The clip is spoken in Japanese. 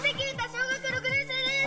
小学６年生です！